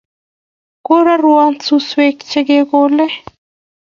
Korarwo suswek che kekole